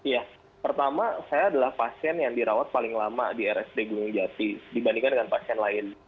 ya pertama saya adalah pasien yang dirawat paling lama di rsd gunung jati dibandingkan dengan pasien lain